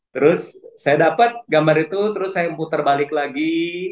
terus saya dapat gambar itu terus saya putar balik lagi